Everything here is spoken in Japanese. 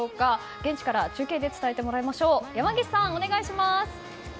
現地から中継で伝えてもらいましょう。